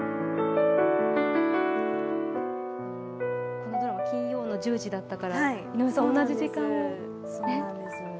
このドラマ金曜の１０時だったから井上さん、同じ時間ですね。